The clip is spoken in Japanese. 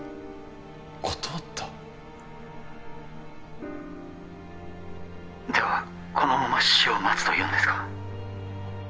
断ったではこのまま死を待つというんですか？